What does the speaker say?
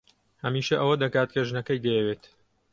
هەمیشە ئەوە دەکات کە ژنەکەی دەیەوێت.